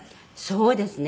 そうですね。